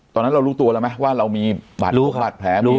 ตอนนั้นเรารู้ตัวแล้วไหมว่าเรามีบาดแผลรู้